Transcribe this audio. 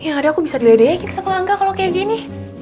ya enggak deh aku bisa diledekin sama angga kalau kayak gini